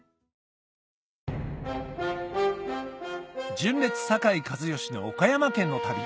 純烈・酒井一圭の岡山県の旅